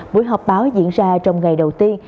buổi họp báo diễn ra trong ngày đầu tiên